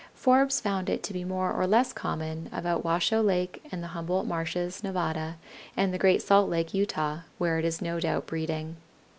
Forbes found it to be more or less common about Washoe Lake and the Humboldt Marshes, Nevada, and the Great Salt Lake, Utah, where it was no doubt breeding.